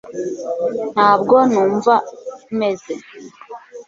ntabwo numva meze